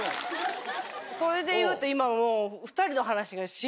それでいうと今もう。何で？